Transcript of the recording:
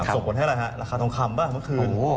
ส่งผลให้อะไรฮะราคาทองคำบ้างเมื่อคืน